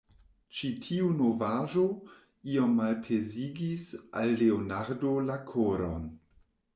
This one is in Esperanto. Ĉi tiu novaĵo iom malpezigis al Leonardo la koron.